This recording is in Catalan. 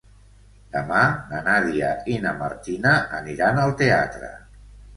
Demà na Nàdia i na Martina aniran al teatre.